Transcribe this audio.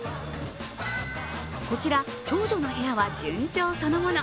こちら長女の部屋は順調そのもの。